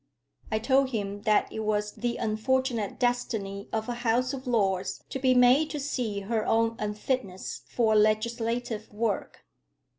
I told him that it was the unfortunate destiny of a House of Lords to be made to see her own unfitness for legislative work.